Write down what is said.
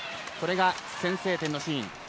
これが先制点のシーン。